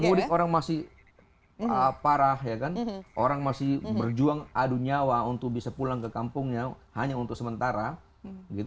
mudik orang masih parah ya kan orang masih berjuang adu nyawa untuk bisa pulang ke kampungnya hanya untuk sementara gitu